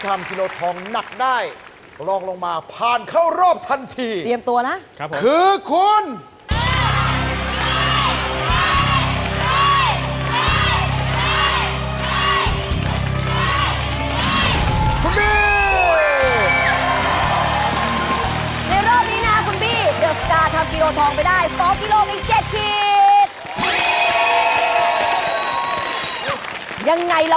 ยังไม่ต้องออกตัวนะ